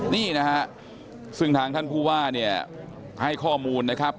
นี่นะฮะซึ่งทางท่านผู้ว่าเนี่ยให้ข้อมูลนะครับ